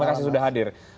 terima kasih sudah hadir